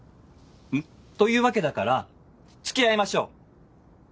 ん？というわけだから付き合いましょう！